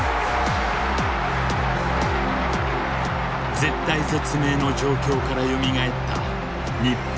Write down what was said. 絶体絶命の状況からよみがえった日本。